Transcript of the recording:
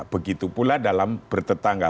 begitu pula dalam bertetangga